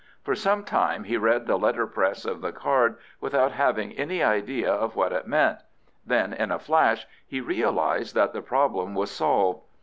For some time he read the letterpress of the card without having any idea of what it meant; then in a flash he realised that the problem was solved.